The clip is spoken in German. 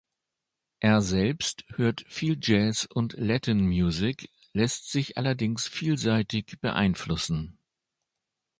Er selbst hört viel Jazz und Latin-Music, lässt sich allerdings vielseitig beeinflussen.